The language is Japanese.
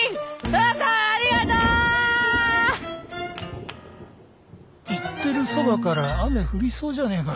空さんありがとう！言ってるそばから雨降りそうじゃねえか。